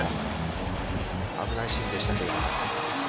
危ないシーンでしたけれども。